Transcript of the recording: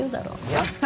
やった！